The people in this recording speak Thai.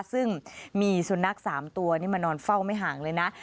ซึ่งมีสุนัข๓ตัวนี่มานอนเฝ้าไม่ห่างเลยนะ